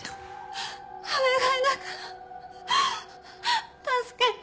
お願いだから助けて。